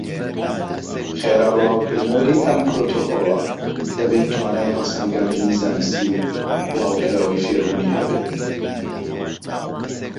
خێرا بڵاوکردنەوەی ئەم پڕۆتۆکۆڵە دەبێت توانای هەڵسەنگاندنی زانستی و بڵاوکراوەی فێربوونی هەبێت.